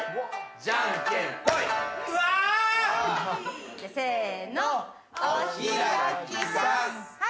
じゃんけんぽい。